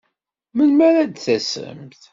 Melmi ara d-tasemt?